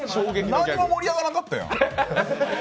なんも盛り上がらなかったやん。